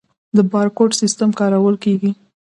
د بارکوډ سیستم کارول کیږي؟